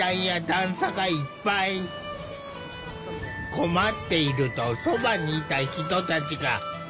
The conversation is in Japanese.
困っているとそばにいた人たちが集まってきた。